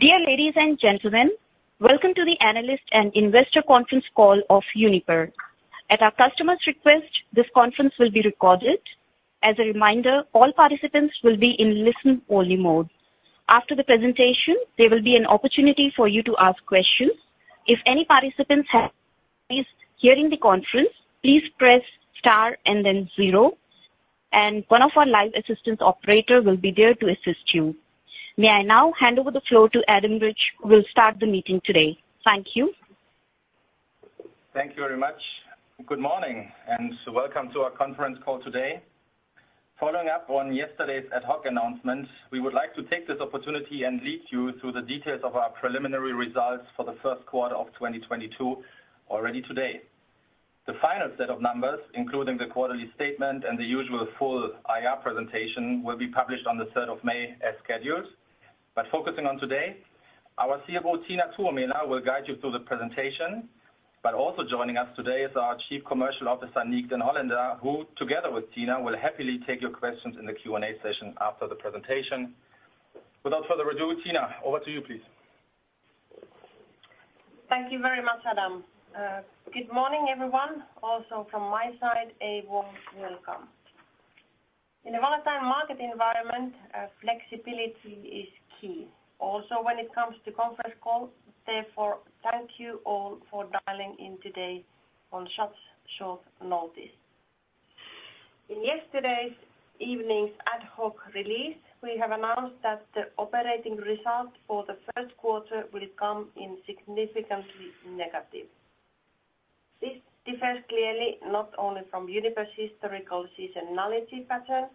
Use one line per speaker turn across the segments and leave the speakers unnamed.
Dear ladies and gentlemen, welcome to the analyst and investor conference call of Uniper. At our customer's request, this conference will be recorded. As a reminder, all participants will be in listen-only mode. After the presentation, there will be an opportunity for you to ask questions. If any participants are having difficulty hearing the conference, please press star and then zero, and one of our live assistance operators will be there to assist you. May I now hand over the floor to Adam, who will start the meeting today. Thank you.
Thank you very much. Good morning, and welcome to our conference call today. Following up on yesterday's ad hoc announcement, we would like to take this opportunity and lead you through the details of our preliminary results for the first quarter of 2022 already today. The final set of numbers, including the quarterly statement and the usual full IR presentation, will be published on the third of May as scheduled. Focusing on today, our CFO, Tiina Tuomela, will guide you through the presentation. Also joining us today is our Chief Commercial Officer, Niek den Hollander, who, together with Tina, will happily take your questions in the Q&A session after the presentation. Without further ado, Tina, over to you, please.
Thank you very much, Adam. Good morning, everyone. Also from my side, a warm welcome. In a volatile market environment, flexibility is key, also when it comes to conference call. Therefore, thank you all for dialing in today on such short notice. In yesterday's evening's ad hoc release, we have announced that the operating result for the first quarter will come in significantly negative. This differs clearly not only from Uniper's historical seasonality pattern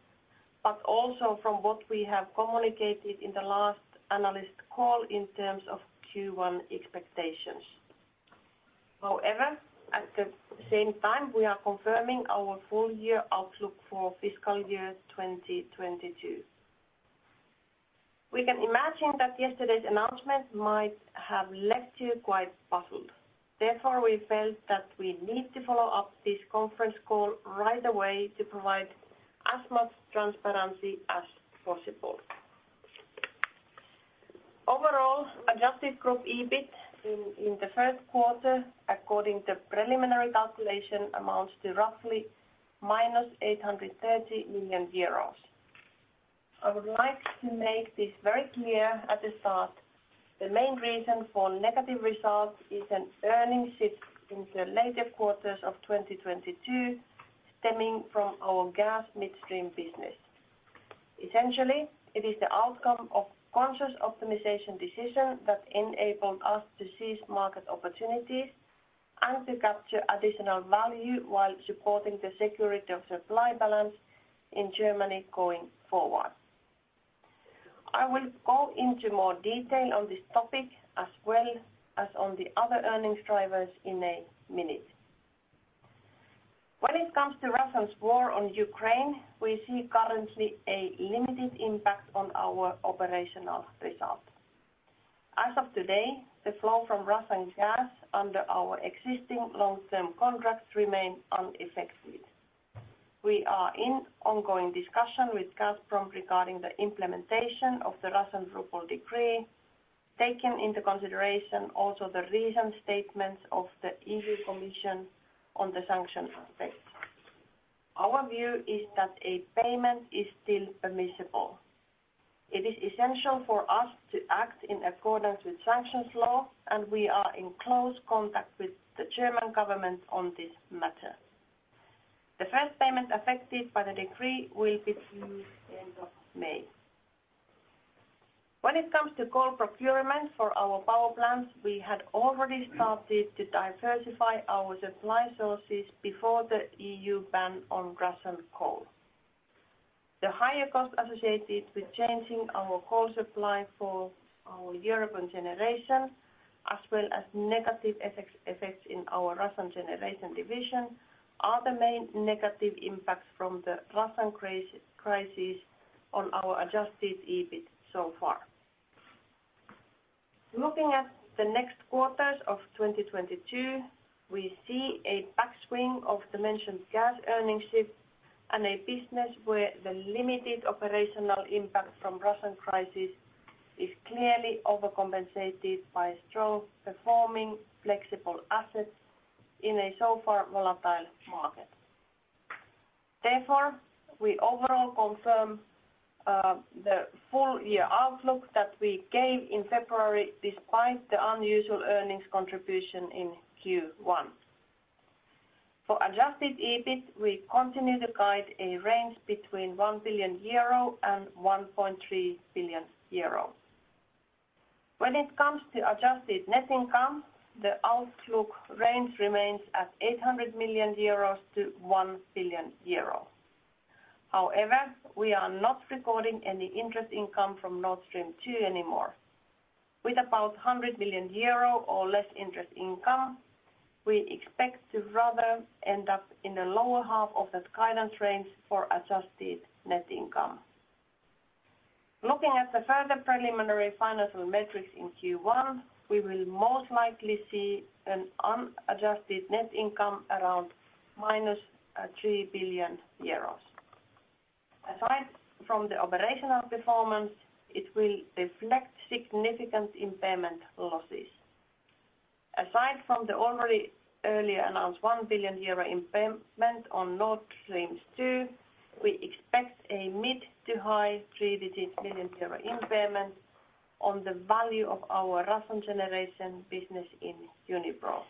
but also from what we have communicated in the last analyst call in terms of Q1 expectations. However, at the same time, we are confirming our full year outlook for fiscal year 2022. We can imagine that yesterday's announcement might have left you quite puzzled. Therefore, we felt that we need to follow up this conference call right away to provide as much transparency as possible. Overall, adjusted group EBIT in the first quarter, according to preliminary calculation, amounts to roughly -830 million euros. I would like to make this very clear at the start, the main reason for negative results is an earnings shift into later quarters of 2022 stemming from our gas midstream business. Essentially, it is the outcome of conscious optimization decision that enabled us to seize market opportunities and to capture additional value while supporting the security of supply balance in Germany going forward. I will go into more detail on this topic as well as on the other earnings drivers in a minute. When it comes to Russia's war on Ukraine, we see currently a limited impact on our operational results. As of today, the flow from Russian gas under our existing long-term contracts remain unaffected. We are in ongoing discussion with Gazprom regarding the implementation of the Russian Ruble decree, taking into consideration also the recent statements of the European Commission on the sanctions effect. Our view is that a payment is still permissible. It is essential for us to act in accordance with sanctions law, and we are in close contact with the German government on this matter. The first payment affected by the decree will be due end of May. When it comes to coal procurement for our power plants, we had already started to diversify our supply sources before the EU ban on Russian coal. The higher cost associated with changing our coal supply for our European generation, as well as negative effects in our Russian generation division, are the main negative impacts from the Russian crisis on our adjusted EBIT so far. Looking at the next quarters of 2022, we see a backswing of diminished gas earnings shift and a business where the limited operational impact from Russian crisis is clearly overcompensated by strong performing flexible assets in a so far volatile market. Therefore, we overall confirm the full year outlook that we gave in February despite the unusual earnings contribution in Q1. For adjusted EBIT, we continue to guide a range between 1 billion-1.3 billion euro. When it comes to adjusted net income, the outlook range remains at 800 million-1 billion euros. However, we are not recording any interest income from Nord Stream 2 anymore. With about 100 million euro or less interest income, we expect to rather end up in the lower half of the guidance range for adjusted net income. Looking at the further preliminary financial metrics in Q1, we will most likely see an unadjusted net income around minus 3 billion euros. Aside from the operational performance, it will reflect significant impairment losses. Aside from the already earlier announced 1 billion euro impairment on Nord Stream 2, we expect a mid-to-high three-digit million EUR impairment on the value of our Russian generation business in Unipro.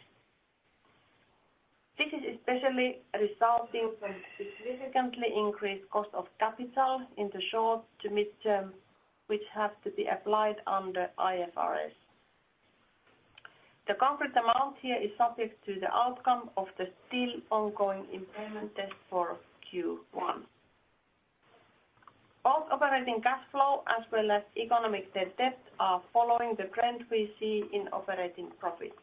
This is especially resulting from significantly increased cost of capital in the short to mid-term, which has to be applied under IFRS. The concrete amount here is subject to the outcome of the still ongoing impairment test for Q1. Both operating cash flow as well as economic net debt are following the trend we see in operating profits.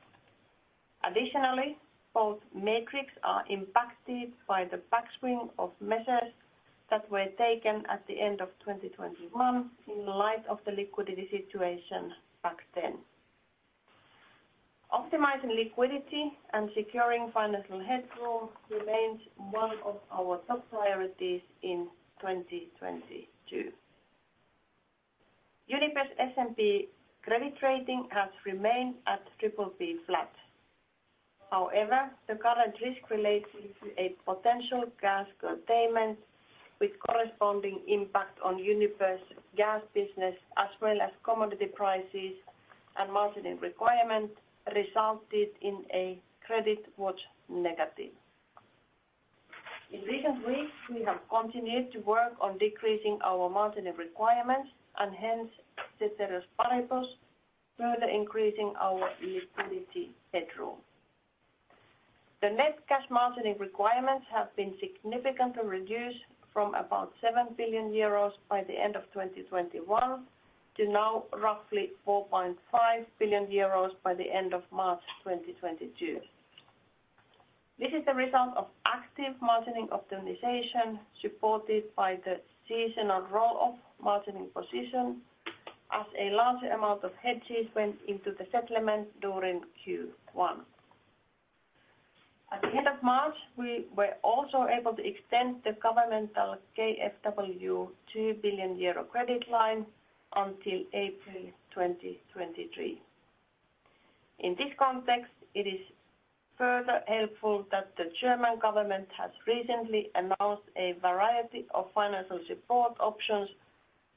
Additionally, both metrics are impacted by the backswing of measures that were taken at the end of 2021 in light of the liquidity situation back then. Optimizing liquidity and securing financial headroom remains one of our top priorities in 2022. Uniper's S&P credit rating has remained at triple B flat. However, the current risk related to a potential gas curtailment with corresponding impact on Uniper's gas business, as well as commodity prices and margining requirement, resulted in a credit watch negative. In recent weeks, we have continued to work on decreasing our margining requirements and hence, ceteris paribus, further increasing our liquidity headroom. The net cash margining requirements have been significantly reduced from about 7 billion euros by the end of 2021 to now roughly 4.5 billion euros by the end of March 2022. This is the result of active margining optimization, supported by the seasonal roll-off margining position, as a large amount of hedges went into the settlement during Q1. At the end of March, we were also able to extend the governmental KfW 2 billion euro credit line until April 2023. In this context, it is further helpful that the German government has recently announced a variety of financial support options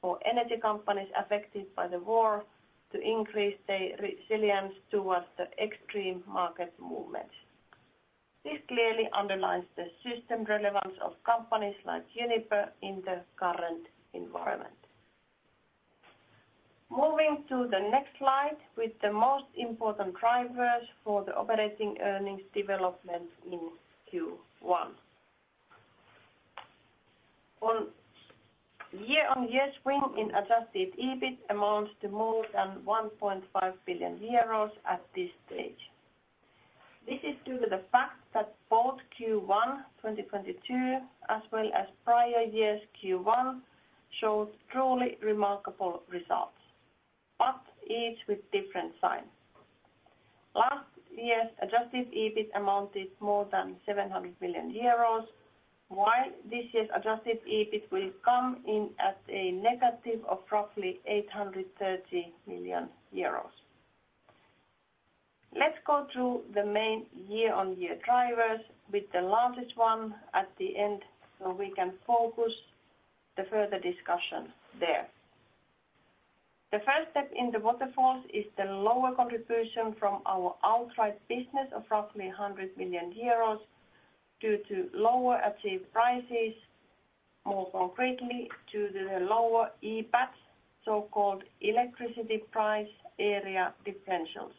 for energy companies affected by the war to increase their resilience towards the extreme market movements. This clearly underlines the system relevance of companies like Uniper in the current environment. Moving to the next slide with the most important drivers for the operating earnings development in Q1. On a year-on-year swing in adjusted EBIT amounts to more than 1.5 billion euros at this stage. This is due to the fact that both Q1 2022 as well as prior year's Q1 showed truly remarkable results, but each with different signs. Last year's adjusted EBIT amounted to more than 700 million euros, while this year's adjusted EBIT will come in at a negative of roughly 830 million euros. Let's go through the main year-on-year drivers with the largest one at the end, so we can focus the further discussion there. The first step in the waterfalls is the lower contribution from our outright business of roughly 100 million euros due to lower achieved prices, more concretely to the lower EPADs, so-called electricity price area differentials.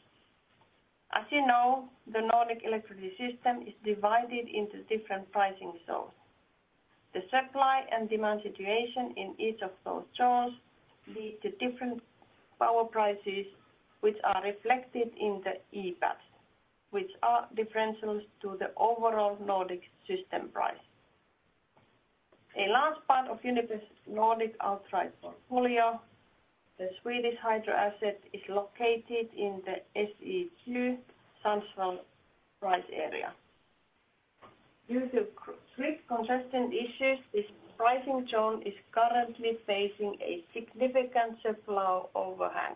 As you know, the Nordic electricity system is divided into different pricing zones. The supply and demand situation in each of those zones lead to different power prices, which are reflected in the EPADs, which are differentials to the overall Nordic system price. A large part of Uniper's Nordic outright portfolio, the Swedish hydro asset, is located in the SE3 Stockholm price area. Due to strict congestion issues, this pricing zone is currently facing a significant surplus overhang,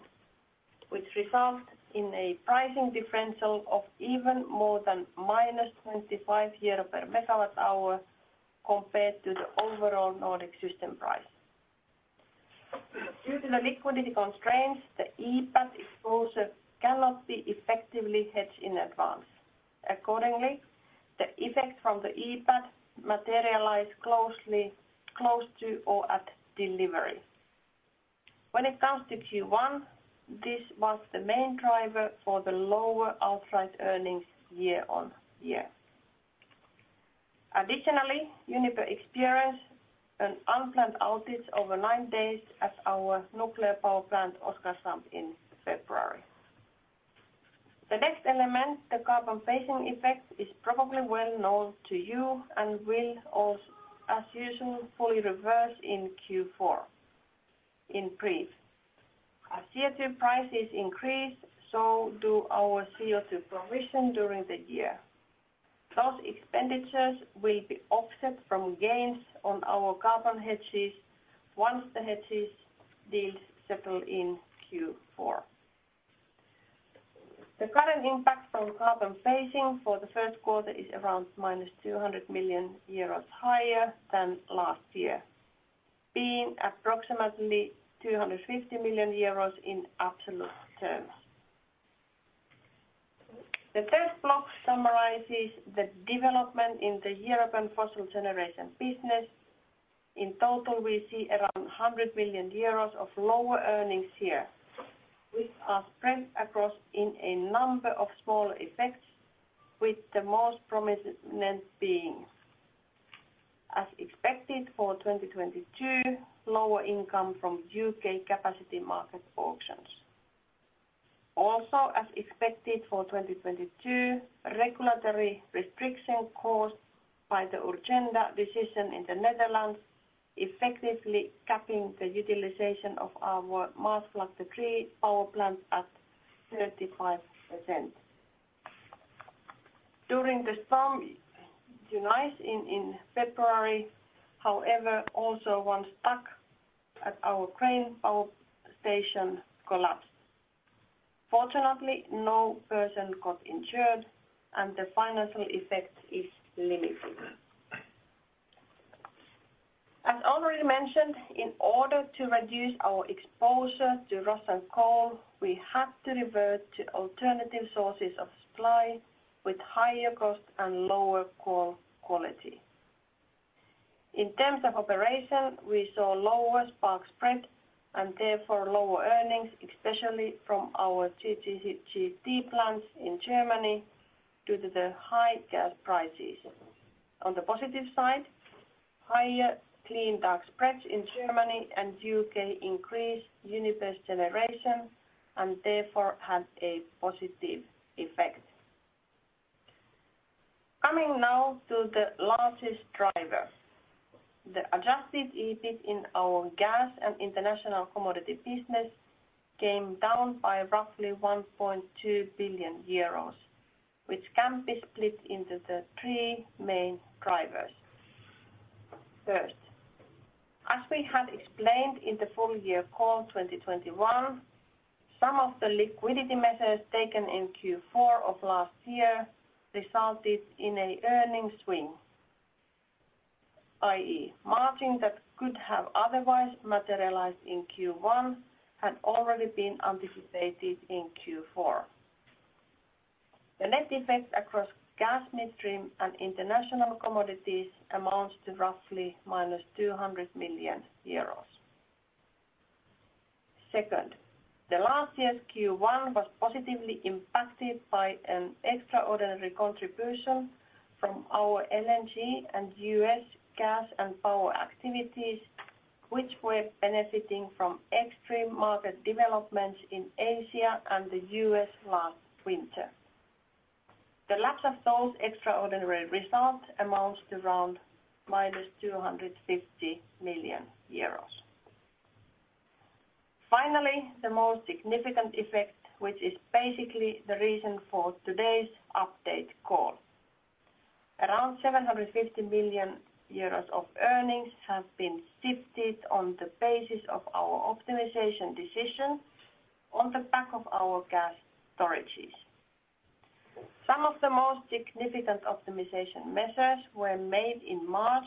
which results in a pricing differential of even more than - 25 euro per MWh compared to the overall Nordic system price. Due to the liquidity constraints, the EPAD exposure cannot be effectively hedged in advance. Accordingly, the effects from the EPAD materialize close to or at delivery. When it comes to Q1, this was the main driver for the lower outright earnings year-over-year. Additionally, Uniper experienced an unplanned outage over nine days at our nuclear power plant, Oskarshamn, in February. The next element, the carbon phasing effect, is probably well known to you and will as usual, fully reverse in Q4. In brief, as CO2 prices increase, so do our CO2 provision during the year. Those expenditures will be offset from gains on our carbon hedges, once the hedges deals settle in Q4. The current impact from carbon phasing for the first quarter is around -200 million euros higher than last year, being approximately 250 million euros in absolute terms. The third block summarizes the development in the European fossil generation business. In total, we see around 100 million euros of lower earnings here, which are spread across in a number of smaller effects, with the most prominent being, as expected for 2022, lower income from U.K. capacity market auctions. Also, as expected for 2022, regulatory restriction caused by the Urgenda decision in the Netherlands, effectively capping the utilization of our Maasvlakte Power Plant 3 at 35%. During the storm Eunice in February, however, also one stack at our Grain power station collapsed. Fortunately, no person got injured and the financial effect is limited. As already mentioned, in order to reduce our exposure to Russian coal, we had to revert to alternative sources of supply with higher cost and lower coal quality. In terms of operation, we saw lower spark spread and therefore lower earnings, especially from our CCGT plants in Germany due to the high gas prices. On the positive side, higher clean dark spreads in Germany and U.K. increased Uniper's generation and therefore had a positive effect. Coming now to the largest driver. The adjusted EBIT in our gas and international commodity business came down by roughly 1.2 billion euros, which can be split into the three main drivers. First, as we had explained in the full-year call 2021, some of the liquidity measures taken in Q4 of last year resulted in an earnings swing, i.e., margin that could have otherwise materialized in Q1 had already been anticipated in Q4. The net effect across gas midstream and international commodities amounts to roughly -EUR 200 million. Second, the last year's Q1 was positively impacted by an extraordinary contribution from our LNG and US gas and power activities, which were benefiting from extreme market developments in Asia and the US last winter. The lack of those extraordinary results amounts to around -250 million euros. Finally, the most significant effect, which is basically the reason for today's update call. 750 million euros of earnings have been shifted on the basis of our optimization decision on the back of our gas storages. Some of the most significant optimization measures were made in March,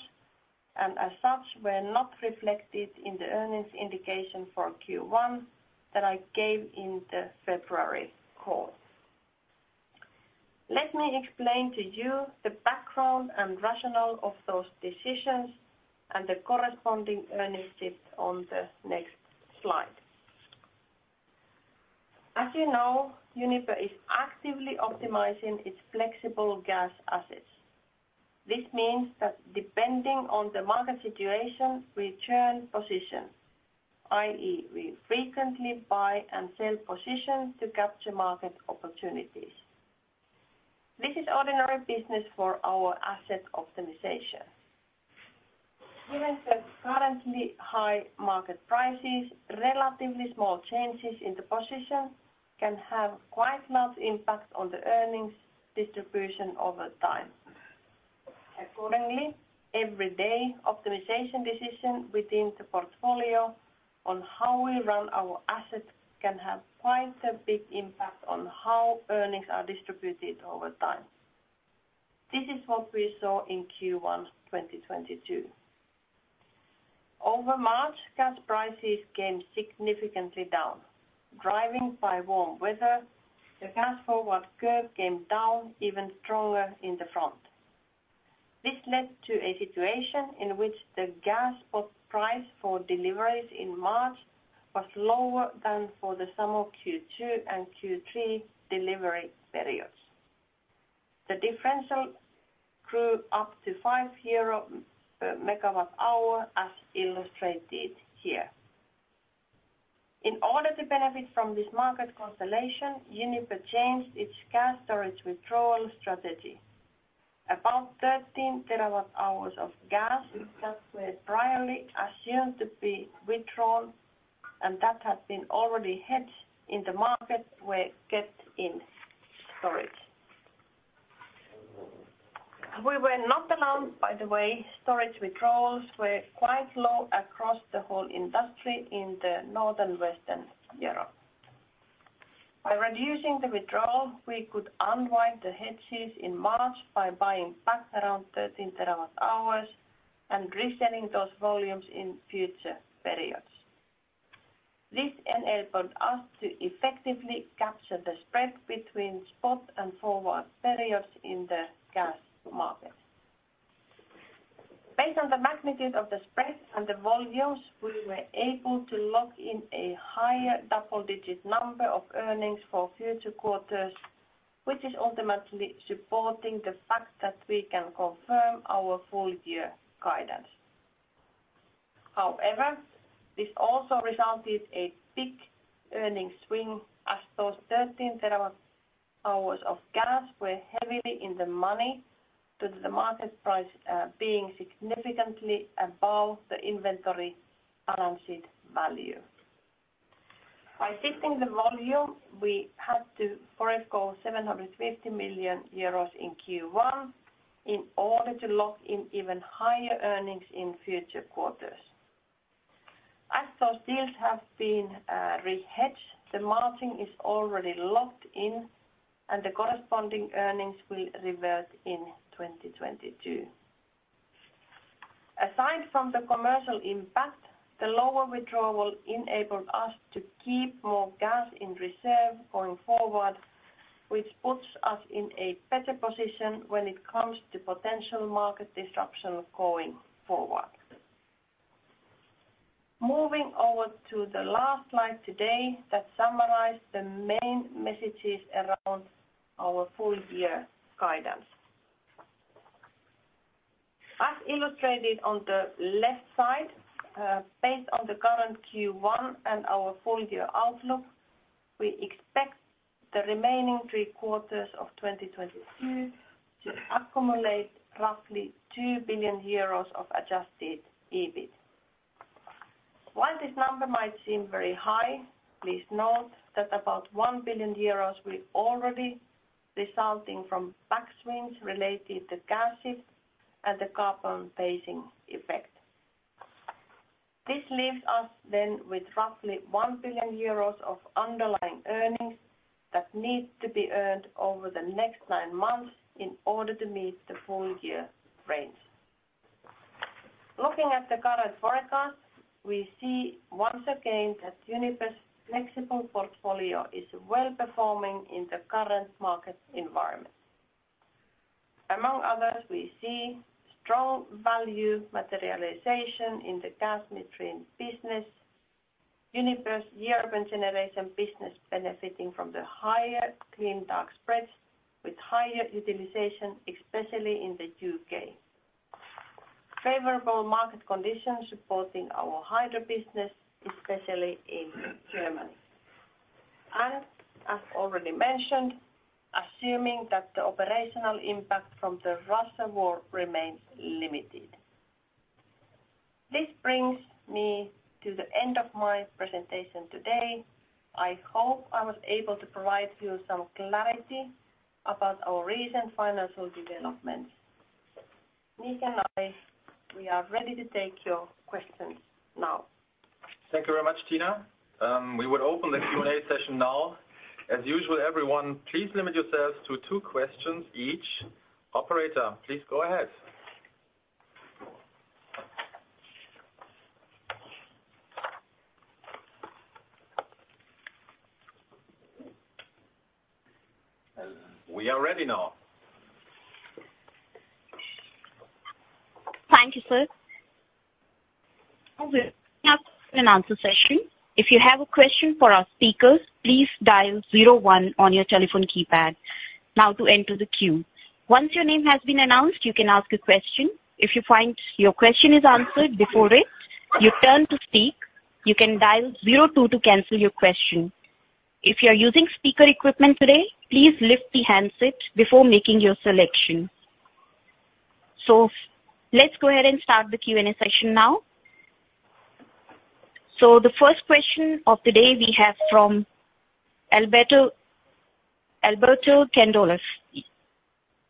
and as such, were not reflected in the earnings indication for Q1 that I gave in the February call. Let me explain to you the background and rationale of those decisions and the corresponding earnings shift on the next slide. As you know, Uniper is actively optimizing its flexible gas assets. This means that depending on the market situation, we turn positions, i.e., we frequently buy and sell positions to capture market opportunities. This is ordinary business for our asset optimization. Given the currently high market prices, relatively small changes in the position can have quite large impact on the earnings distribution over time. Accordingly, every day optimization decision within the portfolio on how we run our assets can have quite a big impact on how earnings are distributed over time. This is what we saw in Q1 2022. Over March, gas prices came significantly down. Driven by warm weather, the gas forward curve came down even stronger in the front. This led to a situation in which the gas spot price for deliveries in March was lower than for the sum of Q2 and Q3 delivery periods. The differential grew up to 5 euro per MWh, as illustrated here. In order to benefit from this market constellation, Uniper changed its gas storage withdrawal strategy. About 13 TWh of gas that were priorly assumed to be withdrawn and that had been already hedged in the market were kept in storage. We were not alone, by the way. Storage withdrawals were quite low across the whole industry in the north-western Europe. By reducing the withdrawal, we could unwind the hedges in March by buying back around 13 TWh and reselling those volumes in future periods. This enabled us to effectively capture the spread between spot and forward periods in the gas market. Based on the magnitude of the spread and the volumes, we were able to lock in a higher double-digit number of earnings for future quarters, which is ultimately supporting the fact that we can confirm our full year guidance. However, this also resulted in a big earnings swing as those 13 TWh of gas were heavily in the money due to the market price being significantly above the inventory balance sheet value. By shifting the volume, we had to forgo 750 million euros in Q1 in order to lock in even higher earnings in future quarters. As those deals have been re-hedged, the margin is already locked in and the corresponding earnings will revert in 2022. Aside from the commercial impact, the lower withdrawal enabled us to keep more gas in reserve going forward, which puts us in a better position when it comes to potential market disruption going forward. Moving over to the last slide today that summarize the main messages around our full year guidance. As illustrated on the left side, based on the current Q1 and our full year outlook, we expect the remaining three quarters of 2022 to accumulate roughly 2 billion euros of adjusted EBIT. While this number might seem very high, please note that about 1 billion euros will already resulting from back swings related to gas shift and the carbon phasing effect. This leaves us then with roughly 1 billion euros of underlying earnings that needs to be earned over the next nine months in order to meet the full year range. Looking at the current forecast, we see once again that Uniper's flexible portfolio is well performing in the current market environment. Among others, we see strong value materialization in the gas midstream business. Uniper's European generation business benefiting from the higher clean dark spreads with higher utilization, especially in the U.K. Favorable market conditions supporting our hydro business, especially in Germany, and as already mentioned, assuming that the operational impact from the Russian war remains limited. This brings me to the end of my presentation today. I hope I was able to provide you some clarity about our recent financial developments. Niek and I, we are ready to take your questions now.
Thank you very much, Tiina. We will open the Q&A session now. As usual, everyone, please limit yourselves to two questions each. Operator, please go ahead. We are ready now.
Thank you, sir. Okay, now Q&A session. If you have a question for our speakers, please dial zero-one on your telephone keypad now to enter the queue. Once your name has been announced, you can ask a question. If you find your question is answered before it, your turn to speak, you can dial zero-two to cancel your question. If you're using speaker equipment today, please lift the handset before making your selection. Let's go ahead and start the Q&A session now. The first question of today we have from Alberto Gandolfi,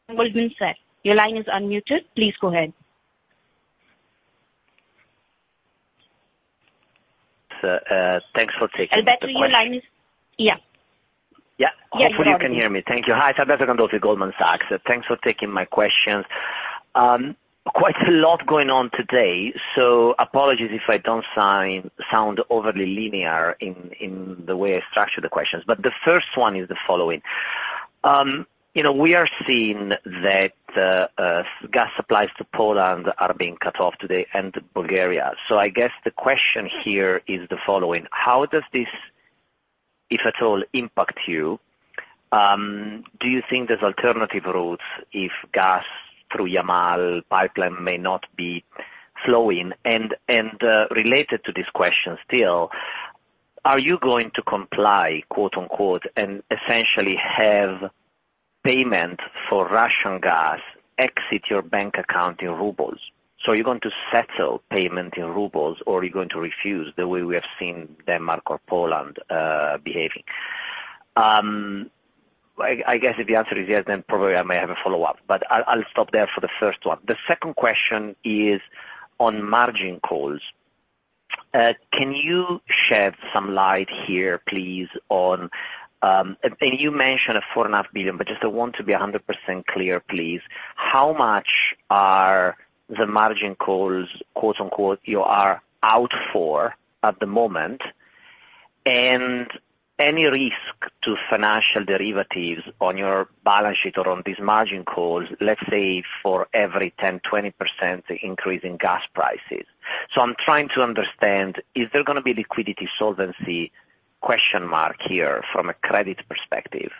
Goldman Sachs. Your line is unmuted. Please go ahead.
Sir, thanks for taking the question.
Alberto, your line is. Yeah.
Yeah. Hopefully you can hear me. Thank you. Hi, it's Alberto Gandolfi with Goldman Sachs. Thanks for taking my questions. Quite a lot going on today, so apologies if I don't sign sound overly linear in the way I structure the questions, but the first one is the following. You know, we are seeing that, gas supplies to Poland are being cut off today and Bulgaria. I guess the question here is the following: How does this, if at all, impact you, do you think there's alternative routes if gas through Yamal pipeline may not be flowing? Related to this question still, are you going to comply, quote-unquote, and essentially have payment for Russian gas exit your bank account in rubles? Are you going to settle payment in rubles or are you going to refuse the way we have seen Denmark or Poland behaving? I guess if the answer is yes, then probably I may have a follow-up. I'll stop there for the first one. The second question is on margin calls. Can you shed some light here, please, on... You mentioned a 4.5 billion, but just I want to be 100% clear, please. How much are the margin calls, quote-unquote, you are out for at the moment? And any risk to financial derivatives on your balance sheet or on these margin calls, let's say, for every 10%-20% increase in gas prices? I'm trying to understand, is there gonna be liquidity solvency question mark here from a credit perspective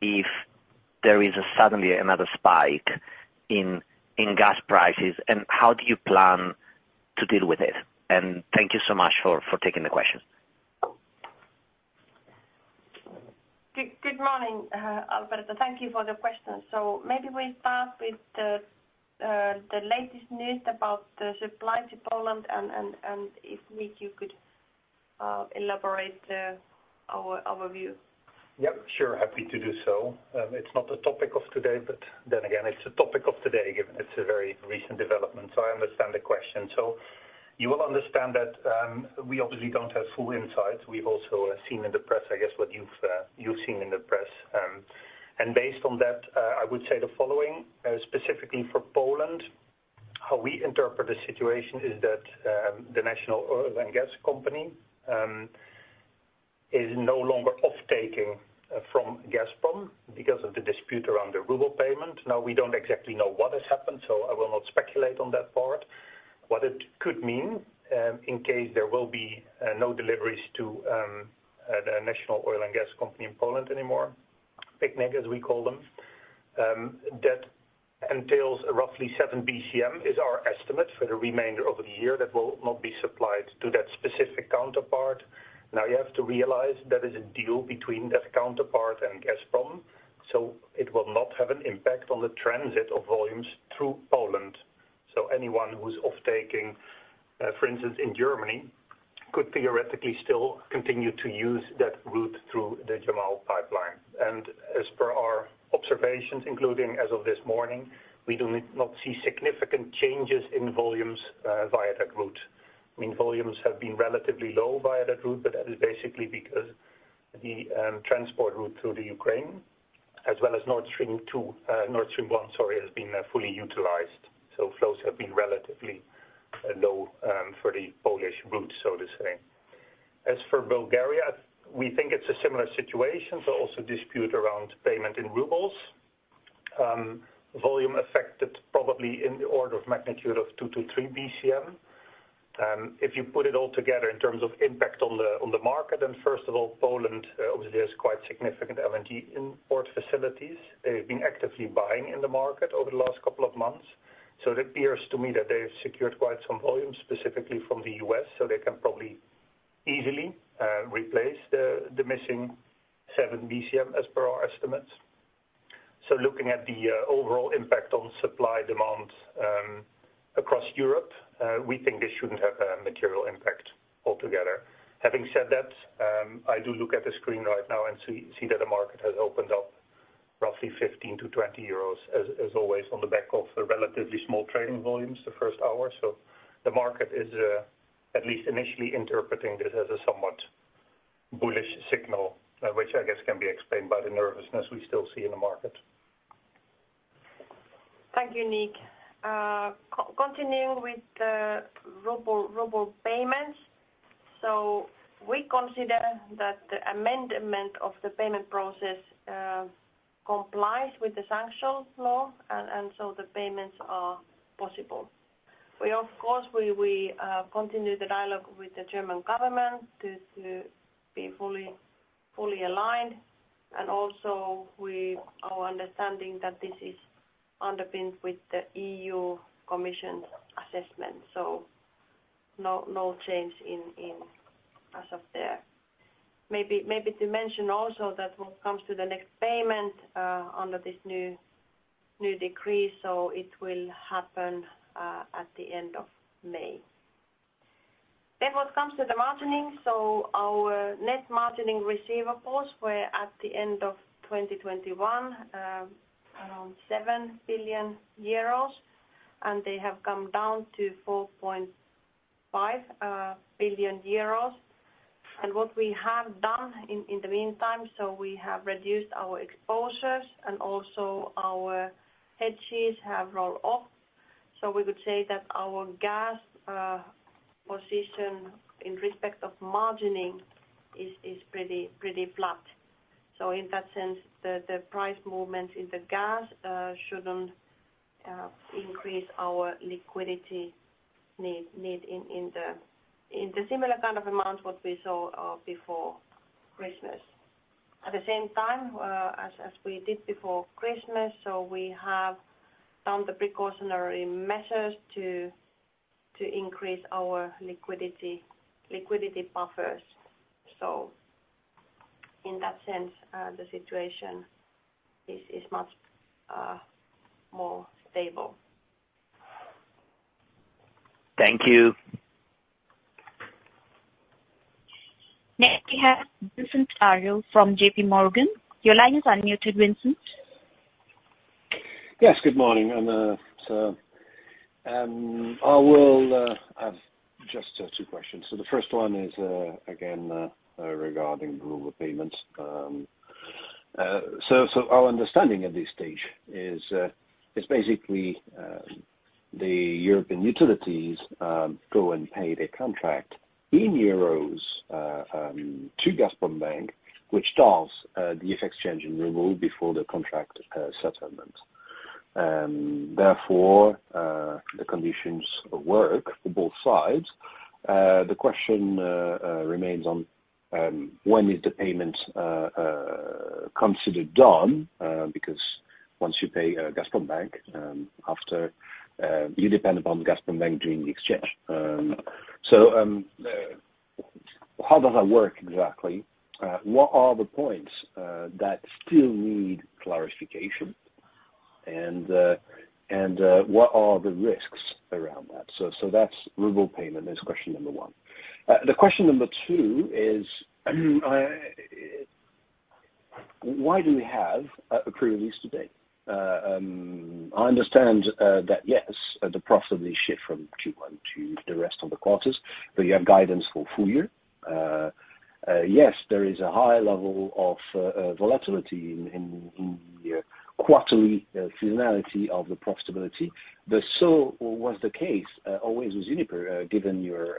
if there is suddenly another spike in gas prices, and how do you plan to deal with it? Thank you so much for taking the question.
Good morning, Alberto. Thank you for the question. Maybe we start with the latest news about the supply to Poland and if Niek you could elaborate our view.
Yep, sure. Happy to do so. It's not a topic of today, but then again, it's a topic of today, given it's a very recent development, so I understand the question. You will understand that we obviously don't have full insight. We've also seen in the press, I guess, what you've seen in the press. Based on that, I would say the following, specifically for Poland, how we interpret the situation is that the national oil and gas company is no longer off-taking from Gazprom because of the dispute around the ruble payment. Now, we don't exactly know what has happened, so I will not speculate on that part. What it could mean, in case there will be no deliveries to the national oil and gas company in Poland anymore, PGNiG as we call them, that entails roughly 7 BCM, is our estimate for the remainder of the year that will not be supplied to that specific counterpart. Now, you have to realize that is a deal between that counterpart and Gazprom, so it will not have an impact on the transit of volumes through Poland. Anyone who's off-taking, for instance, in Germany, could theoretically still continue to use that route through the Yamal pipeline. As per our observations, including as of this morning, we do not see significant changes in volumes via that route. I mean, volumes have been relatively low via that route, but that is basically because the transport route through the Ukraine as well as Nord Stream 2, Nord Stream 1, sorry, has been fully utilized. Flows have been relatively low for the Polish route, so to say. As for Bulgaria, we think it's a similar situation, so also dispute around payment in rubles. Volume affected probably in the order of magnitude of 2 BCM-3 BCM. If you put it all together in terms of impact on the market, and first of all, Poland obviously has quite significant LNG import facilities. They've been actively buying in the market over the last couple of months. It appears to me that they've secured quite some volume specifically from the U.S., so they can probably easily replace the missing 7 BCM as per our estimates. Looking at the overall impact on supply-demand across Europe, we think this shouldn't have a material impact altogether. Having said that, I do look at the screen right now and see that the market has opened up roughly 15-20 euros as always, on the back of the relatively small trading volumes the first hour. The market is at least initially interpreting this as a somewhat bullish signal, which I guess can be explained by the nervousness we still see in the market.
Thank you, Niek. Continuing with the ruble payments. We consider that the amendment of the payment process complies with the sanctions law and so the payments are possible. We of course continue the dialogue with the German government to be fully aligned. We are understanding that this is underpinned with the European Commission's assessment, so no change as of yet. Maybe to mention also that when it comes to the next payment under this new decree, it will happen at the end of May. When it comes to the margining, our net margining receivables were, at the end of 2021, around 7 billion euros, and they have come down to 4.5 billion euros. What we have done in the meantime, so we have reduced our exposures and also our hedges have rolled off. We would say that our gas position in respect of margining is pretty flat. In that sense, the price movement in the gas shouldn't increase our liquidity need in the similar kind of amount what we saw before Christmas. At the same time, as we did before Christmas, we have done the precautionary measures to increase our liquidity buffers. In that sense, the situation is much more stable.
Thank you.
Next we have Vincent Ayral from JPMorgan. Your line is unmuted, Vincent.
Yes, good morning. I have just two questions. The first one is again regarding ruble payments. Our understanding at this stage is basically the European utilities go and pay their contract in euros to Gazprombank, which does the exchange in ruble before the contract settlement. Therefore, the conditions work for both sides. The question remains on when is the payment considered done? Because once you pay Gazprombank, after you depend upon Gazprombank doing the exchange. How does that work exactly? What are the points that still need clarification? What are the risks around that? That's ruble payment is question number one. The question number two is, why do we have a pre-release today? I understand that yes, the profitability shift from Q1 to the rest of the quarters, but you have guidance for full year. Yes, there is a high level of volatility in your quarterly seasonality of the profitability. So was the case always with Uniper, given your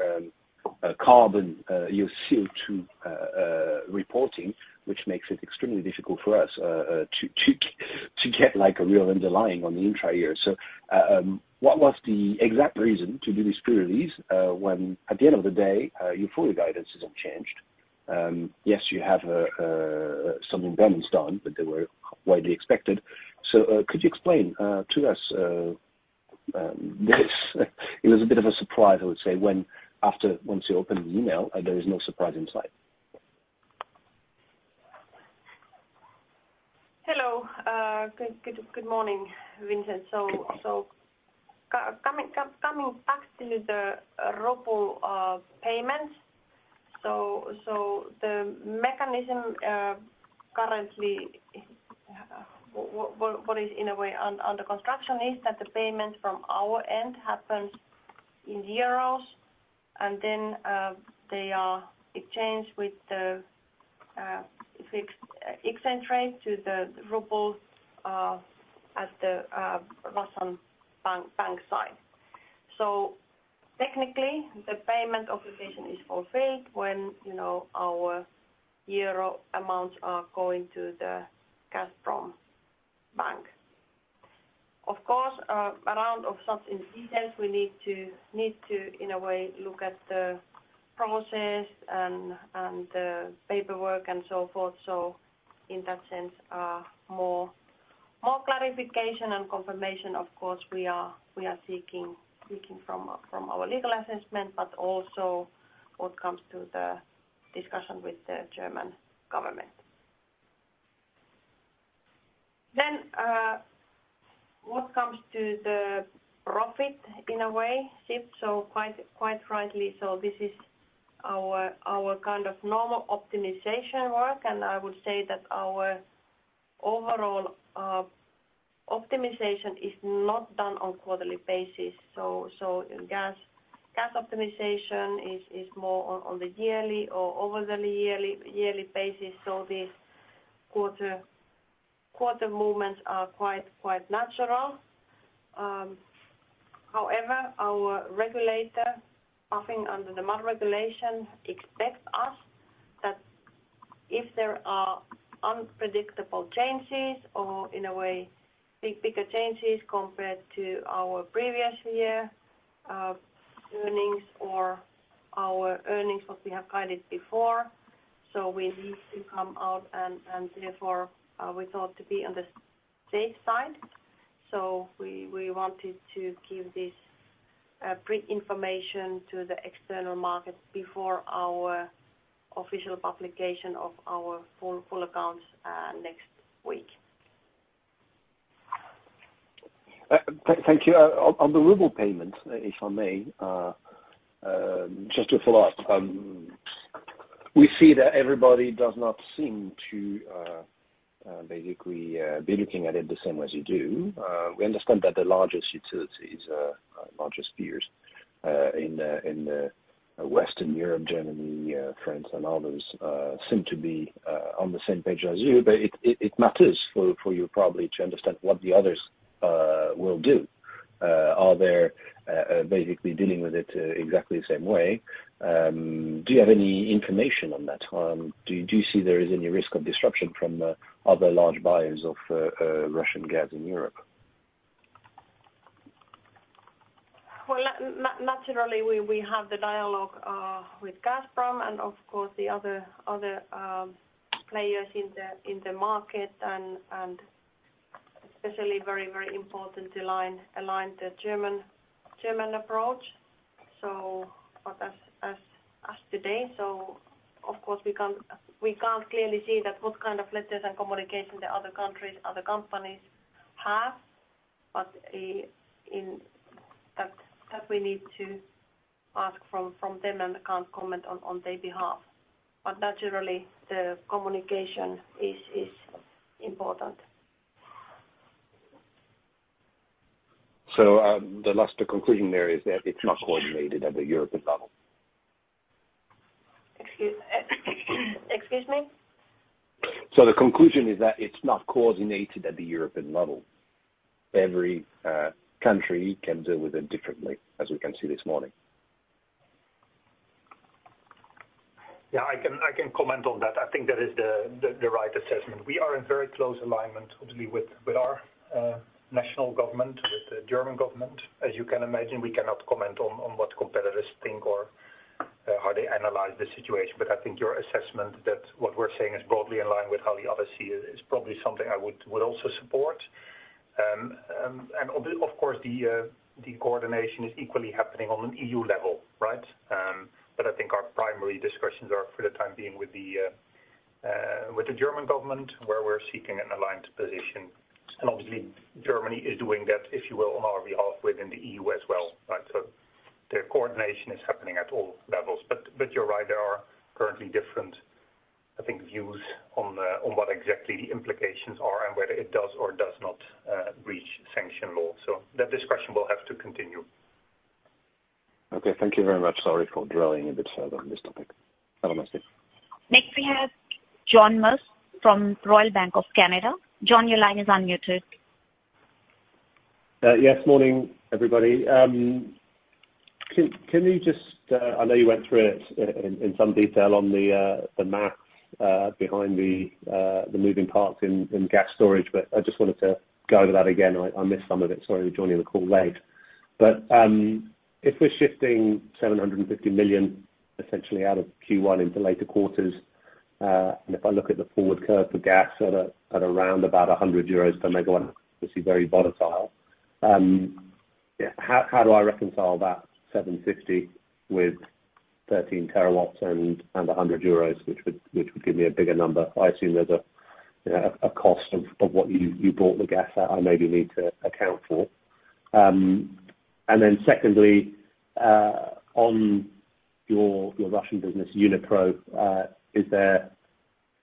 carbon, your CO2 reporting, which makes it extremely difficult for us to get like a real underlying on the entire year. What was the exact reason to do this pre-release, when at the end of the day, your full guidance hasn't changed? Yes, you have some impairments done, but they were widely expected. Could you explain to us this? It was a bit of a surprise, I would say, when after once you open an email and there is no surprise inside.
Hello. Good morning, Vincent. Coming back to the ruble payments, the mechanism currently what is in a way under construction is that the payment from our end happens in euros, and then they are exchanged with the fixed exchange rate to the rubles at the Gazprombank side. Technically, the payment obligation is fulfilled when, you know, our euro amounts are going to the Gazprombank. Of course, in such details, we need to in a way look at the process and the paperwork and so forth. In that sense, more clarification and confirmation, of course, we are seeking from our legal assessment, but also what comes to the discussion with the German government. What comes to the profit, anyway, shift, so quite frankly, this is our kind of normal optimization work, and I would say that our overall optimization is not done on quarterly basis. Gas optimization is more on the yearly or over the yearly basis, so this quarter movements are quite natural. However, our regulator, BaFin, under the Market Abuse Regulation, expects us that if there are unpredictable changes or, in a way, bigger changes compared to our previous year earnings or our earnings what we have guided before, so we need to come out and therefore we thought to be on the safe side. We wanted to give this pre-information to the external markets before our official publication of our full accounts next week.
Thank you. On the ruble payment, if I may, just to follow up, we see that everybody does not seem to basically be looking at it the same way as you do. We understand that the largest utilities, largest peers, in Western Europe, Germany, France and others, seem to be on the same page as you. It matters for you probably to understand what the others will do. Are they basically dealing with it exactly the same way? Do you have any information on that? Do you see there is any risk of disruption from other large buyers of Russian gas in Europe?
Well, naturally, we have the dialogue with Gazprom and of course the other players in the market, and especially very important to align the German approach. But as of today, of course we can't clearly see what kind of letters and communication the other countries, other companies have. That we need to ask from them and can't comment on their behalf. But naturally, the communication is important.
The conclusion there is that it's not coordinated at the European level.
Excuse me.
The conclusion is that it's not coordinated at the European level. Every country can deal with it differently, as we can see this morning.
Yeah, I can comment on that. I think that is the right assessment. We are in very close alignment, obviously, with our national government, with the German government. As you can imagine, we cannot comment on what competitors think or how they analyze the situation. I think your assessment that what we're saying is broadly in line with how the others see it is probably something I would also support. Of course, the coordination is equally happening on an EU level, right? I think our primary discussions are for the time being with the German government, where we're seeking an aligned position. Obviously, Germany is doing that, if you will, on our behalf within the EU as well, right? The coordination is happening at all levels. You're right, there are currently different, I think, views on what exactly the implications are and whether it does or does not breach sanctions law. The discussion will have to continue.
Okay, thank you very much. Sorry for dwelling a bit further on this topic. Have a nice day.
Next we have John Musk from Royal Bank of Canada. John, your line is unmuted.
Yes, morning, everybody. Can you just, I know you went through it in some detail on the math behind the moving parts in gas storage, but I just wanted to go over that again. I missed some of it. Sorry, joining the call late. If we're shifting 750 million essentially out of Q1 into later quarters, and if I look at the forward curve for gas at around about 100 euros per MW, obviously very volatile, how do I reconcile that 750 million with 13 TW and a 100 euros, which would give me a bigger number? I assume there's a, you know, a cost of what you bought the gas at I maybe need to account for. Secondly, on your Russian business, Unipro, is there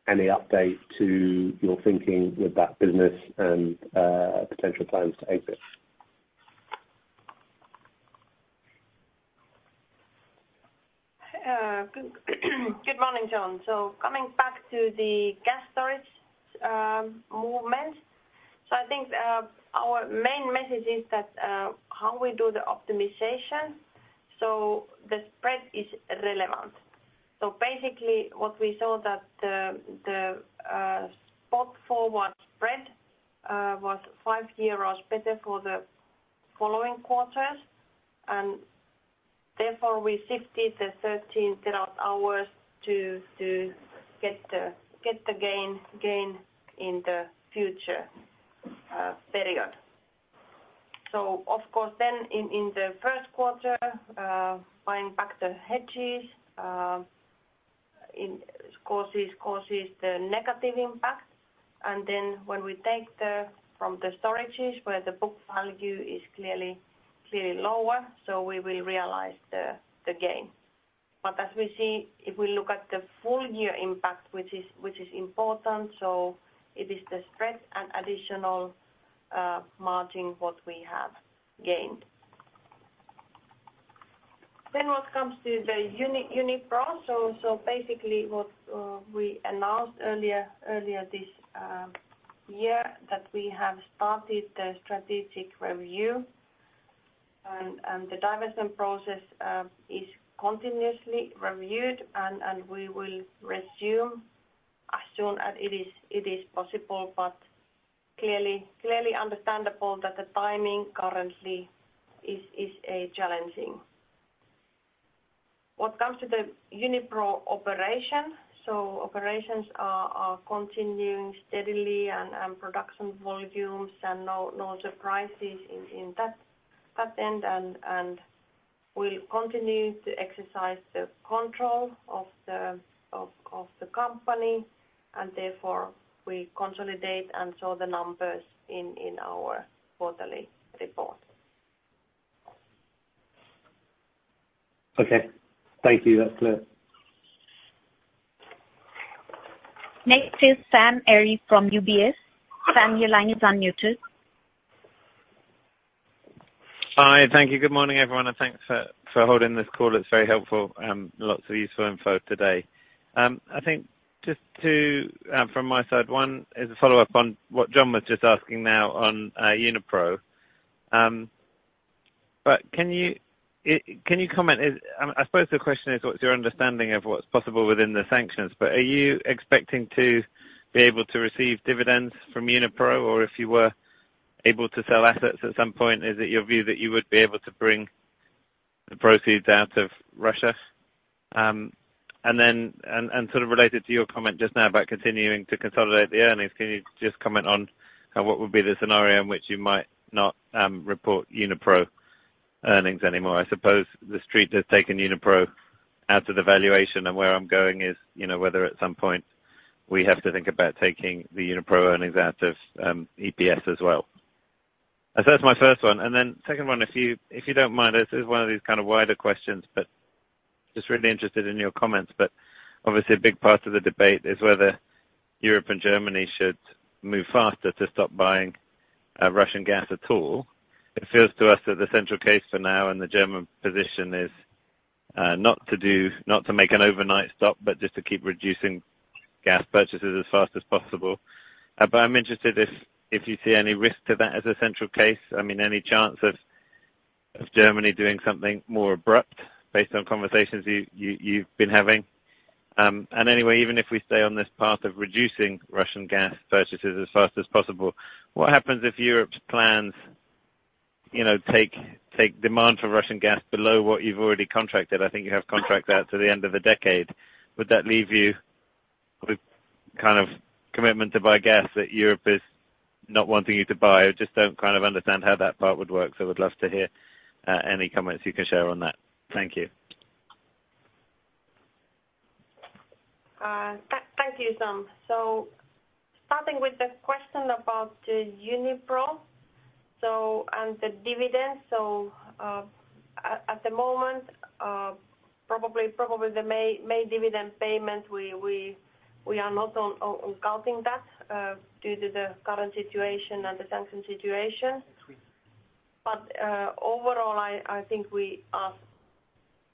any update to your thinking with that business and potential plans to exit?
Good morning, John. Coming back to the gas storage movement. I think our main message is that how we do the optimization, the spread is relevant. Basically what we saw that the spot forward spread was 5 euros better for the following quarters, and therefore we shifted the 13 TWh to get the gain in the future period. Of course then in the first quarter buying back the hedges it causes the negative impact. Then when we take from the storages where the book value is clearly lower, we will realize the gain. As we see, if we look at the full year impact, which is important, it is the spread and additional margin what we have gained. What comes to the Unipro. Basically what we announced earlier this year that we have started the strategic review and the divestment process is continuously reviewed and we will resume as soon as it is possible, but clearly understandable that the timing currently is challenging. What comes to the Unipro operation, operations are continuing steadily and production volumes and no surprises in that end and we'll continue to exercise the control of the company, and therefore we consolidate and show the numbers in our quarterly report.
Okay. Thank you. That's clear.
Next is Sam Arie from UBS. Sam, your line is unmuted.
Hi. Thank you. Good morning, everyone, and thanks for holding this call. It's very helpful. Lots of useful info today. Just to, from my side, one is a follow-up on what John was just asking now on Uniper. Can you comment? I suppose the question is, what's your understanding of what's possible within the sanctions? Are you expecting to be able to receive dividends from Uniper? If you were able to sell assets at some point, is it your view that you would be able to bring the proceeds out of Russia? Then, sort of related to your comment just now about continuing to consolidate the earnings, can you just comment on what would be the scenario in which you might not report Uniper earnings anymore? I suppose the Street has taken Uniper out to the valuation, and where I'm going is, you know, whether at some point we have to think about taking the Uniper earnings out of EPS as well. That's my first one, and then second one, if you don't mind, this is one of these kind of wider questions, but just really interested in your comments. Obviously a big part of the debate is whether Europe and Germany should move faster to stop buying Russian gas at all. It feels to us that the central case for now and the German position is not to do, not to make an overnight stop, but just to keep reducing gas purchases as fast as possible. I'm interested if you see any risk to that as a central case, I mean, any chance of Germany doing something more abrupt based on conversations you've been having. Anyway, even if we stay on this path of reducing Russian gas purchases as fast as possible, what happens if Europe's plans, you know, take demand for Russian gas below what you've already contracted? I think you have contract out to the end of the decade. Would that leave you with kind of commitment to buy gas that Europe is not wanting you to buy? Or just don't kind of understand how that part would work, so would love to hear any comments you can share on that. Thank you.
Thank you, Sam Arie. Starting with the question about Uniper and the dividends, at the moment, probably the May dividend payment, we are not counting that due to the current situation and the sanctions situation. Overall, I think we are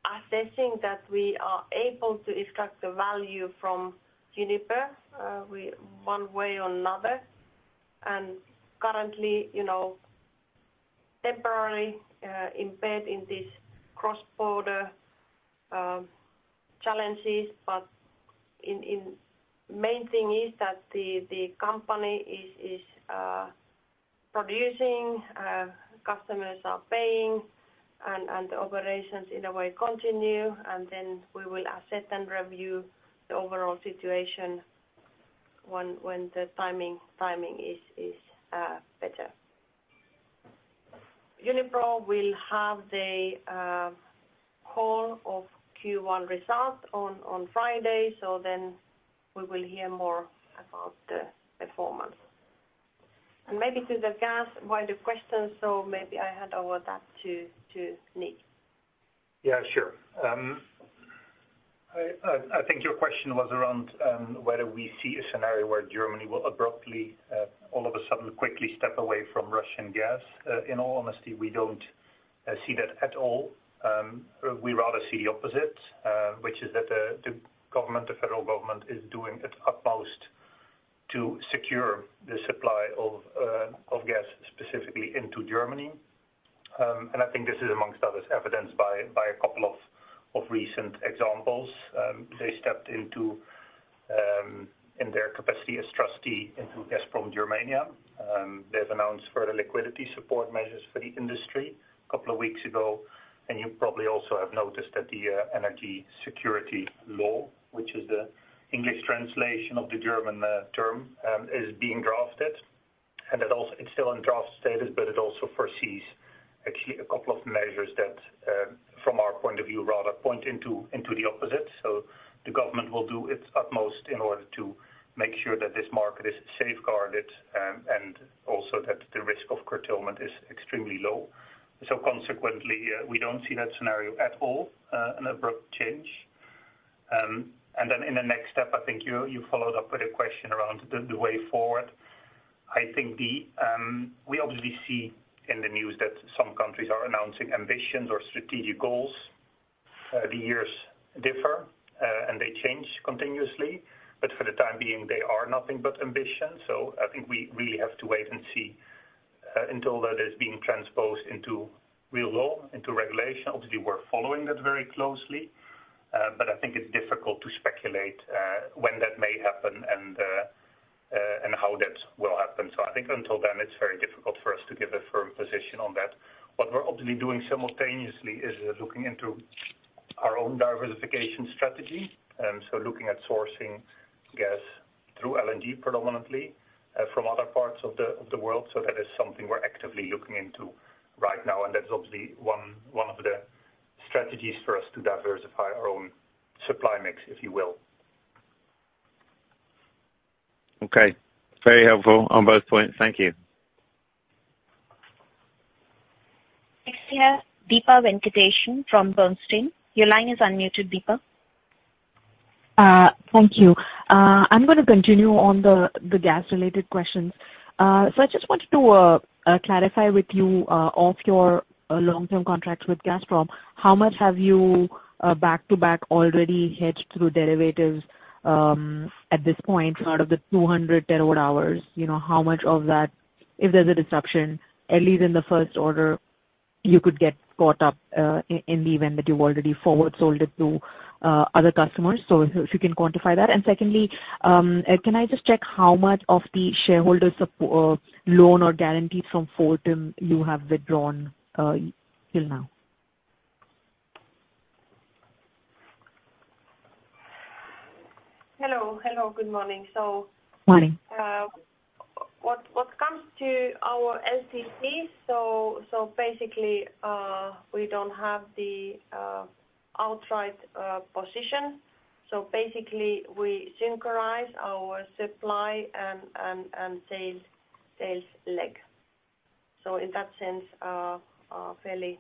assessing that we are able to extract the value from Uniper with one way or another, and currently, you know, temporarily embedded in this cross-border challenges. Main thing is that the company is producing, customers are paying and the operations in a way continue, and then we will assess and review the overall situation when the timing is better. Uniper will have the call on Q1 results on Friday. We will hear more about the performance. Maybe to the wider gas question, so maybe I hand over that to Niek.
Yeah, sure. I think your question was around whether we see a scenario where Germany will abruptly all of a sudden quickly step away from Russian gas. In all honesty, we don't see that at all. We rather see the opposite, which is that the government, the federal government, is doing its utmost to secure the supply of gas specifically into Germany. I think this is among others evidenced by a couple of recent examples. They stepped into in their capacity as trustee into Gazprom Germania. They've announced further liquidity support measures for the industry a couple of weeks ago, and you probably also have noticed that the Energy Security Law, which is the English translation of the German term, is being drafted. It's still in draft status, but it also foresees actually a couple of measures that, from our point of view, rather point into the opposite. The government will do its utmost in order to make sure that this market is safeguarded, and also that the risk of curtailment is extremely low. Consequently, we don't see that scenario at all, an abrupt change. Then in the next step, I think you followed up with a question around the way forward. I think we obviously see in the news that some countries are announcing ambitions or strategic goals. The years differ, and they change continuously. For the time being, they are nothing but ambition. I think we really have to wait and see until that is being transposed into real law, into regulation. Obviously, we're following that very closely. I think it's difficult to speculate when that may happen and how that will happen. I think until then, it's very difficult for us to give a firm position on that. What we're obviously doing simultaneously is looking into our own diversification strategy, so looking at sourcing gas through LNG predominantly from other parts of the world. That is something we're actively looking into right now, and that's obviously one of the strategies for us to diversify our own supply mix, if you will.
Okay. Very helpful on both points. Thank you.
Next, we have Deepa Venkateswaran from Bernstein. Your line is unmuted, Deepa.
Thank you. I'm gonna continue on the gas-related questions. I just wanted to clarify with you of your long-term contracts with Gazprom, how much have you back-to-back already hedged through derivatives at this point out of the 200 TWh, you know, how much of that, if there's a disruption, at least in the first order, you could get caught up in the event that you've already forward sold it to other customers. If you can quantify that. Secondly, can I just check how much of the shareholder support loan or guarantees from Fortum you have withdrawn till now?
Hello, good morning.
Morning.
What comes to our LTC, basically, we don't have the outright position. Basically, we synchronize our supply and sales leg. In that sense, fairly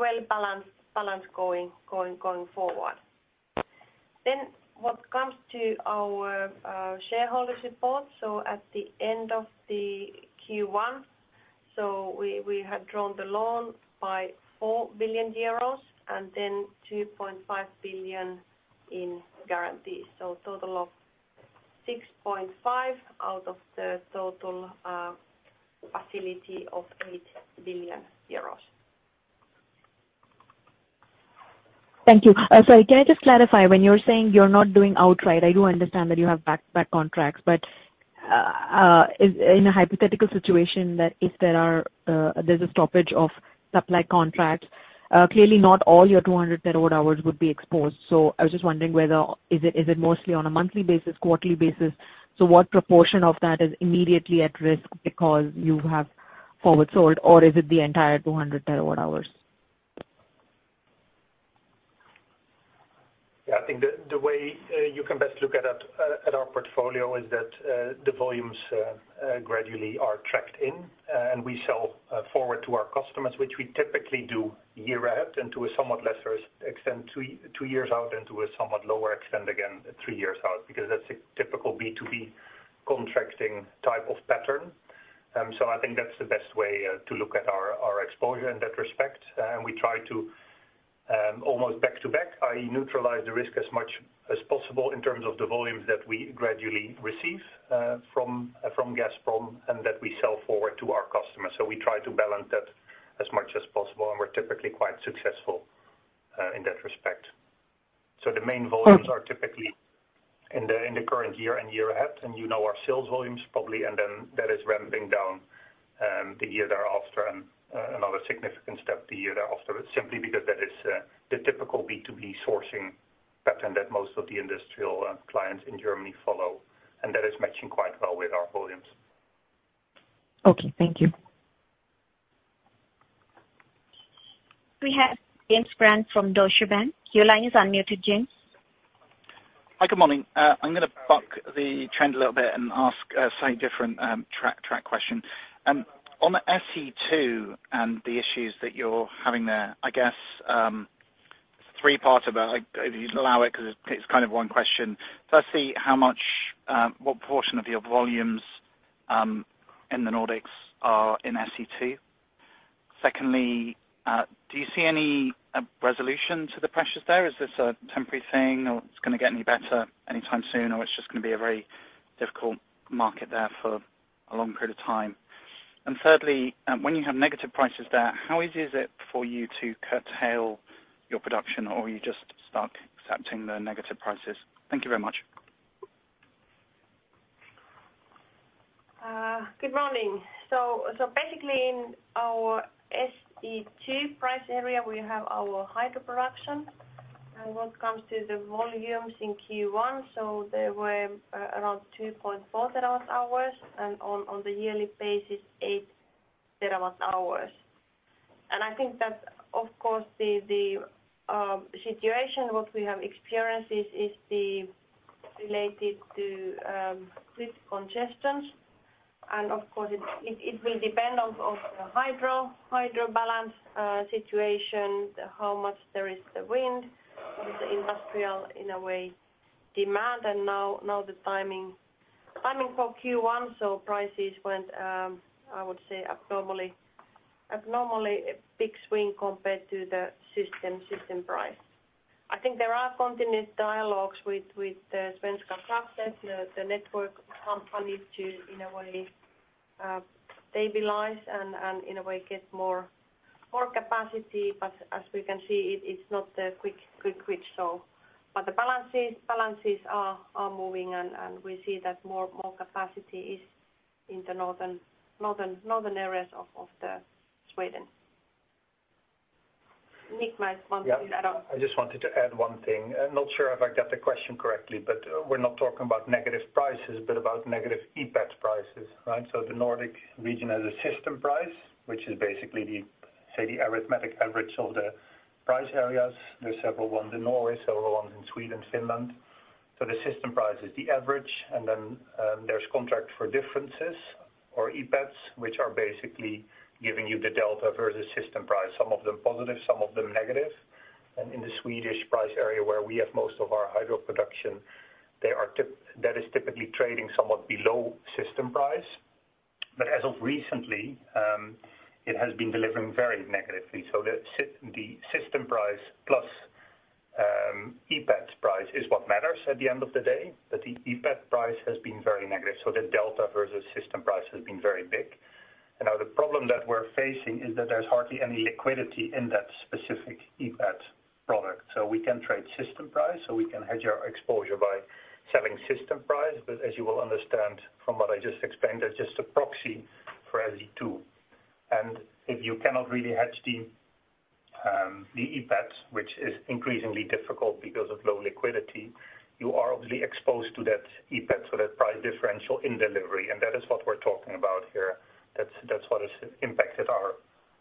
well-balanced going forward. What comes to our shareholder support, at the end of the Q1, we had drawn the loan by 4 billion euros and then 2.5 billion in guarantees, total of 6.5 billion out of the total facility of 8 billion euros.
Thank you. Sorry, can I just clarify? When you're saying you're not doing outright, I do understand that you have back-to-back contracts. In a hypothetical situation if there is a stoppage of supply contracts, clearly not all your 200 TWh would be exposed. I was just wondering whether it is mostly on a monthly basis, quarterly basis. What proportion of that is immediately at risk because you have forward sold, or is it the entire 200 TWh?
I think the way you can best look at our portfolio is that the volumes gradually are tracked in and we sell forward to our customers, which we typically do year ahead, and to a somewhat lesser extent, two years out, and to a somewhat lower extent again, three years out, because that's a typical B2B contracting type of pattern. I think that's the best way to look at our exposure in that respect. We try to almost back to back, i.e. neutralize the risk as much as possible in terms of the volumes that we gradually receive from Gazprom and that we sell forward to our customers. We try to balance that as much as possible, and we're typically quite successful in that respect. The main volumes are typically in the current year and year ahead, and you know our sales volumes probably, and then that is ramping down, the year thereafter and another significant step the year thereafter. It's simply because that is the typical B2B sourcing pattern that most of the industrial clients in Germany follow, and that is matching quite well with our volumes.
Okay, thank you.
We have James Brand from Deutsche Bank. Your line is unmuted, James.
Hi, good morning. I'm gonna buck the trend a little bit and ask a slightly different track question. On the SE2 and the issues that you're having there, I guess three parts of it. Like, if you allow it, 'cause it's kind of one question. Firstly, how much, what proportion of your volumes in the Nordics are in SE2? Secondly, do you see any resolution to the pressures there? Is this a temporary thing or it's gonna get any better anytime soon, or it's just gonna be a very difficult market there for a long period of time? And thirdly, when you have negative prices there, how easy is it for you to curtail your production, or you just start accepting the negative prices? Thank you very much.
Good morning. Basically in our SE2 price area, we have our hydro production. What comes to the volumes in Q1, they were around 2.4 TWh, and on the yearly basis, 8 TWh. I think that of course the situation what we have experienced is related to grid congestions. Of course it will depend on the hydro balance situation, how much there is the wind with the industrial, in a way, demand and now the timing for Q1, prices went, I would say abnormally big swing compared to the system price. I think there are continuous dialogues with the Svenska kraftnät, the network company, to in a way stabilize and get more capacity. As we can see, it is not a quick solve. The balances are moving and we see that more capacity is in the northern areas of Sweden. Niek might want to add on.
Yeah. I just wanted to add one thing. I'm not sure if I got the question correctly, but we're not talking about negative prices, but about negative EPEX prices, right? The Nordic region has a system price, which is basically the, say, the arithmetic average of the price areas. There's several one in Norway, several ones in Sweden, Finland. The system price is the average, and then there's contract for differences or EPEX, which are basically giving you the delta versus system price, some of them positive, some of them negative. In the Swedish price area where we have most of our hydro production, they are typically trading somewhat below system price. As of recently, it has been delivering very negatively. The system price plus EPEX price is what matters at the end of the day. The EPEX price has been very negative, so the delta versus system price has been very big. Now the problem that we're facing is that there's hardly any liquidity in that specific EPEX product. We can trade system price, so we can hedge our exposure by selling system price. As you will understand from what I just explained, that's just a proxy for SE2. If you cannot really hedge the EPEX, which is increasingly difficult because of low liquidity, you are obviously exposed to that EPEX. That price differential in delivery, and that is what we're talking about here. That's what has impacted our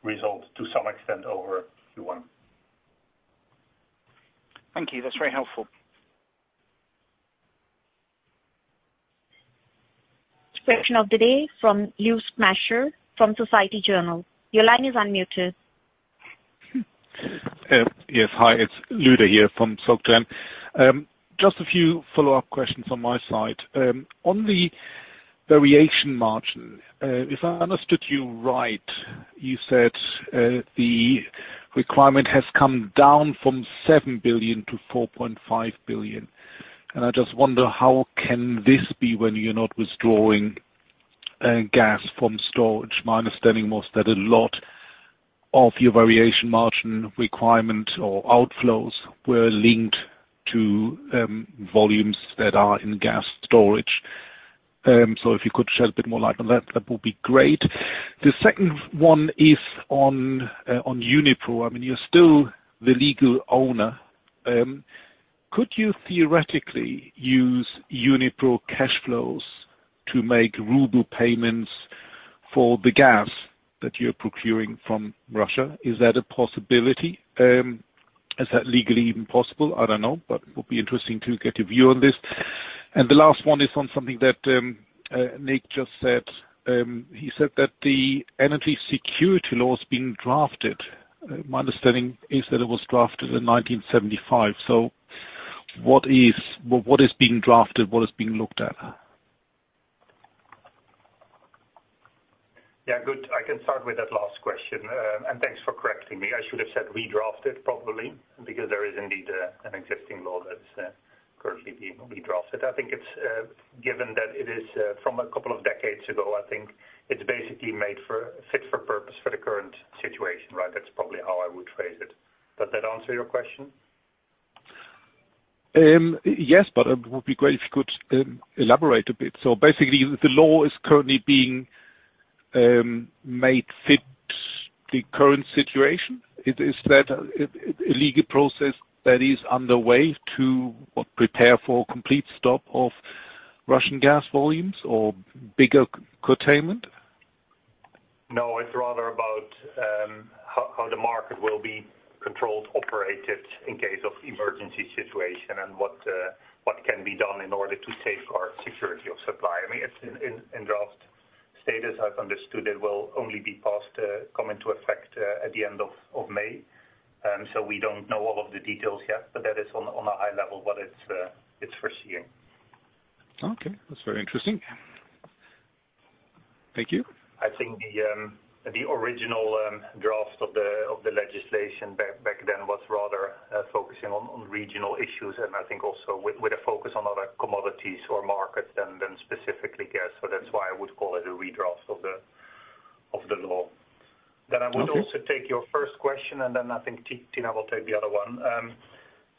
results to some extent over Q1.
Thank you. That's very helpful.
Question of the day from Lueder Schumacher from Société Générale. Your line is unmuted.
Yes. Hi, it's Lueder here from SocGen. Just a few follow-up questions on my side. On the variation margin, if I understood you right, you said the requirement has come down from 7 billion to 4.5 billion. I just wonder, how can this be when you're not withdrawing gas from storage? My understanding was that a lot of your variation margin requirement or outflows were linked to volumes that are in gas storage. So if you could shed a bit more light on that would be great. The second one is on Uniper. I mean, you're still the legal owner. Could you theoretically use Uniper cash flows to make ruble payments for the gas that you're procuring from Russia? Is that a possibility? Is that legally even possible? I don't know, but it would be interesting to get a view on this. The last one is on something that Niek just said. He said that the Energy Security Law is being drafted. My understanding is that it was drafted in 1975. What is being drafted? What is being looked at?
Yeah, good. I can start with that last question. Thanks for correcting me. I should have said redrafted, probably, because there is indeed an existing law that's currently being redrafted. I think it's given that it is from a couple of decades ago. I think it's basically made fit for purpose for the current situation, right? That's probably how I would phrase it. Does that answer your question?
Yes, but it would be great if you could elaborate a bit. Basically, the law is currently being made fit to the current situation. Is that a legal process that is underway to prepare for complete stop of Russian gas volumes or bigger containment?
No, it's rather about how the market will be controlled, operated in case of emergency situation and what can be done in order to safeguard security of supply. I mean, it's in draft status. I've understood it will only come into effect at the end of May. We don't know all of the details yet, but that is on a high level what it's foreseeing.
Okay. That's very interesting. Thank you.
I think the original draft of the legislation back then was rather focusing on regional issues, and I think also with a focus on other commodities or markets than specifically gas. That's why I would call it a redraft of the law.
Okay.
I would also take your first question, and then I think Tina will take the other one.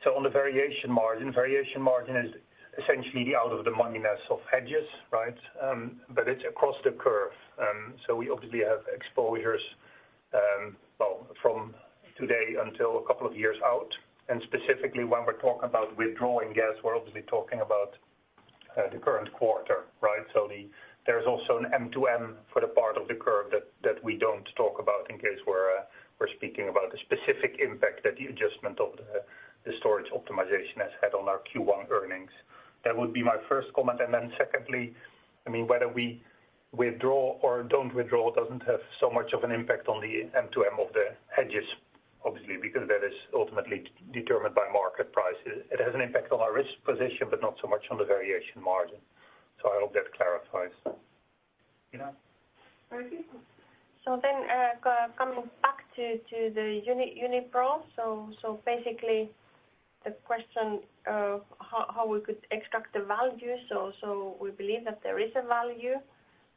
So on the variation margin, variation margin is essentially out of the moneyness of hedges, right? But it's across the curve. We obviously have exposures, well, from today until a couple of years out. Specifically when we're talking about withdrawing gas, we're obviously talking about the current quarter, right? There's also a mark-to-market for the part of the curve that we don't talk about in case we're speaking about the specific impact that the adjustment of the storage optimization has had on our Q1 earnings. That would be my first comment. Secondly, I mean, whether we withdraw or don't withdraw doesn't have so much of an impact on the M to M of the hedges, obviously, because that is ultimately determined by market prices. It has an impact on our risk position, but not so much on the variation margin. I hope that clarifies. Tina?
Thank you. Coming back to Uniper. Basically the question of how we could extract the value. We believe that there is a value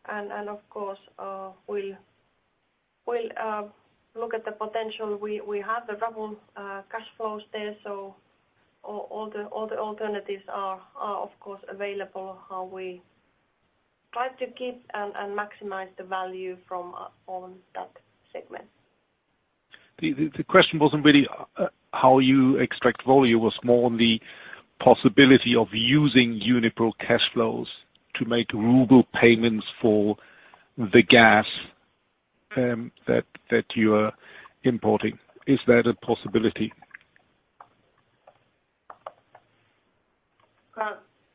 and of course we'll look at the potential. We have the ruble cash flows there, so all the alternatives are of course available, how we try to keep and maximize the value from on that segment.
The question wasn't really how you extract value. It was more on the possibility of using Uniper cash flows to make ruble payments for the gas that you are importing. Is that a possibility?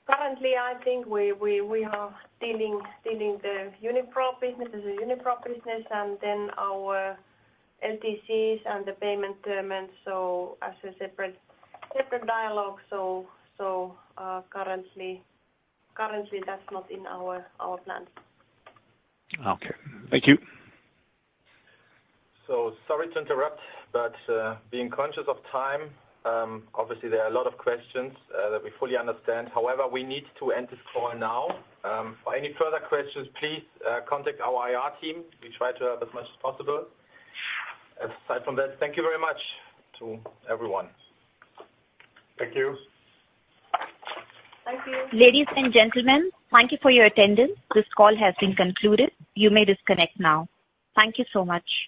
Currently, I think we are dealing with the Uniper business as a Uniper business and then our LDCs and the payment terms, so as a separate dialogue. Currently that's not in our plans.
Okay. Thank you.
Sorry to interrupt, but, being conscious of time, obviously there are a lot of questions that we fully understand. However, we need to end this call now. For any further questions, please, contact our IR team. We try to help as much as possible. Aside from that, thank you very much to everyone.
Thank you.
Thank you.
Ladies and gentlemen, thank you for your attendance. This call has been concluded. You may disconnect now. Thank you so much.